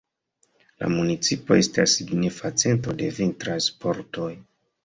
La municipo estas signifa centro de vintraj sportoj.